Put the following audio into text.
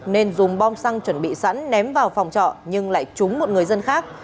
nên dùng bom xăng chuẩn bị sẵn ném vào phòng trọ nhưng lại trúng một người dân khác